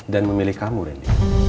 dan memilih kamu ren